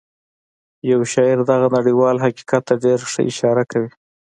یو شاعر دغه نړیوال حقیقت ته ډېره ښه اشاره کوي